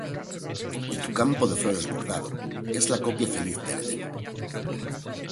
y tu campo de flores bordado, es la copia feliz del Edén.